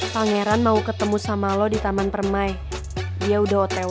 pangeran mau ketemu sama lo di taman permai dia udah otewa